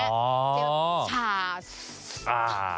ชาซื้ออ่า